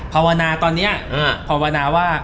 พอวนาตอนนี้พอวนาว่า